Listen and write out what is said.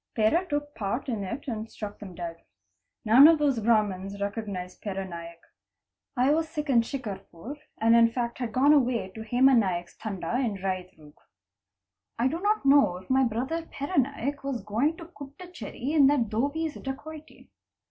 Pera took part in it and struck them dead. None of those — Brahmans recognised Pera Naik. I was sick in Shicarpur, and in fact had gone away to Hema Naik's Tanda in Raidrug. I do not know if my brother Pera Naik was going to Cutcherry in that dhobies' dacoity.